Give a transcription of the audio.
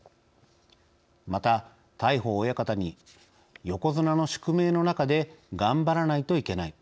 また、大鵬親方に「横綱の宿命の中で頑張らないといけない。